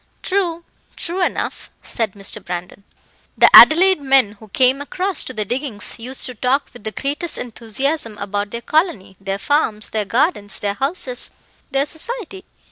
"True true enough," said Mr. Brandon. "The Adelaide men who came across to the diggings used to talk with the greatest enthusiasm about their colony, their farms, their gardens, their houses, their society.